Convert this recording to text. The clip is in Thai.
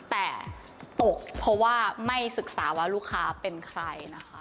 แต่ตกเพราะว่าไม่ศึกษาว่าลูกค้าเป็นใครนะคะ